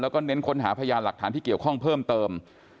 แล้วก็เน้นค้นหาพยานหลักฐานที่เกี่ยวข้องเพิ่มเติม